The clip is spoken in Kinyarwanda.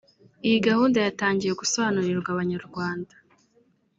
Iyi gahunda yatangiwe gusobanurirwa abanyarwanda